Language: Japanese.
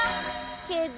けど。